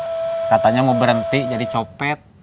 si ubed katanya mau berhenti jadi copet